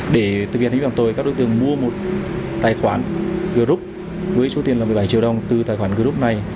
để thực hiện hành vi phạm tội các đối tượng mua một tài khoản group với số tiền là một mươi bảy triệu đồng từ tài khoản group này